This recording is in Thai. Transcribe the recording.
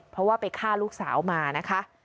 เพราะว่าไปฆ่าลูกสาวมานะคะ